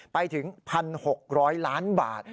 ไปถึง๑๖๐๐ล้านบาท